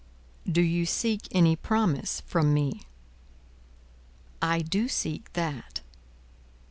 "Do you seek any promise from me?" "I do seek that."